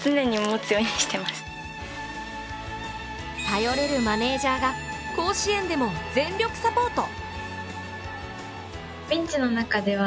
頼れるマネージャーが甲子園でも全力サポート！